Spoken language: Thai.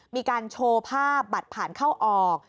มีการโชว์ภาพบัตรผ่านเข้าออก